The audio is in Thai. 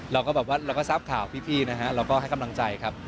เราก็แบบว่าเราก็ทราบข่าวพี่นะฮะเราก็ให้กำลังใจครับ